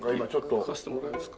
描かせてもらえますか？